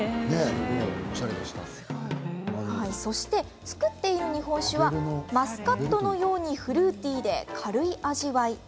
そして、造っている日本酒はマスカットのようにフルーティーで軽い味わい。